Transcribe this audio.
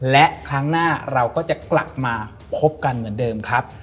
และครั้งหน้าเราก็จะกลับมาพบกันเหมือนเดิมครับ